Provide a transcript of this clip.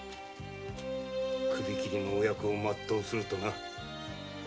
首切りのお役を全うするとな